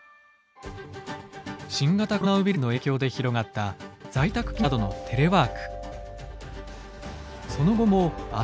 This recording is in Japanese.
新型コロナウイルスの影響で広がった在宅勤務などの「テレワーク」。